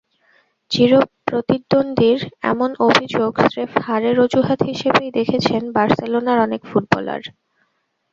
চিরপ্রতিদ্বন্দ্বীর এমন অভিযোগ স্রেফ হারের অজুহাত হিসেবেই দেখেছেন বার্সেলোনার অনেক ফুটবলার।